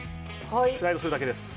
スライドするだけです。